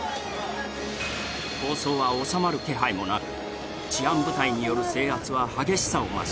抗争は収まる気配もなく、治安部隊による制圧は激しさを増し